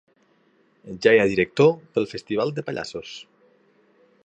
Ja hi ha director pel Festival de Pallassos